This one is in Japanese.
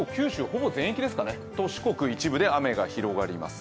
ほぼ全域ですかね、四国一部で雨が広がります。